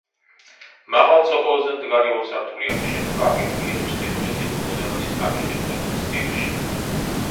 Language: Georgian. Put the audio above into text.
მაღალ ცოკოლზე მდგარი ორსართულიანი შენობა აგებულია ჩრდილოეთის მოდერნის არქიტექტურულ სტილში.